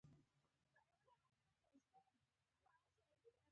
کابل د افغانانو لپاره په معنوي لحاظ ارزښت لري.